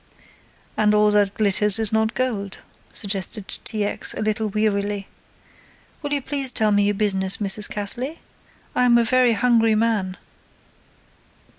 "And all that glitters is not gold," suggested T. X. a little wearily. "Will you please tell me your business, Mrs. Cassley? I am a very hungry man."